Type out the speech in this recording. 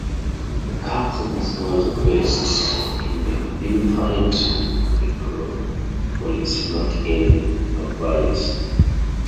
The cults of these gods were based in the Memphite necropolis, not in Avaris.